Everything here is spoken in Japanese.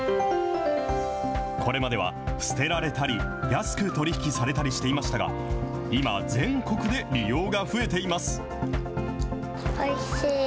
これまでは捨てられたり、安く取り引きされたりしていましたが、今、全国で利用が増えています。